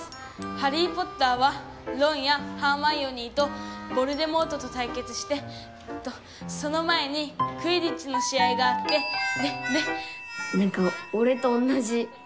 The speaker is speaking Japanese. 『ハリー・ポッター』はロンやハーマイオニーとヴォルデモートとたいけつしてえっとその前にクィディッチの試合があってでで」。